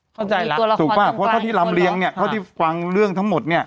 เข้าใจแล้วถูกป่ะเพราะเท่าที่ลำเลี้ยเนี่ยเท่าที่ฟังเรื่องทั้งหมดเนี่ย